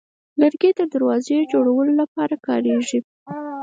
لرګی د دروازې جوړولو لپاره کارېږي.